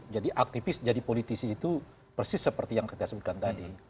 jadi aktivis jadi politisi itu persis seperti yang kita sebutkan tadi